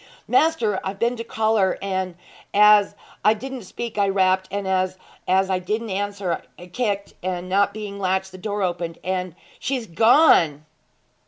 'Maister, I've been to call her; and as 'a didn't speak I rapped, and as 'a didn't answer I kicked, and not being latched the door opened, and she's gone!'